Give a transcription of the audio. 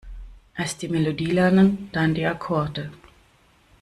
Erst die Melodie lernen, dann die Akkorde.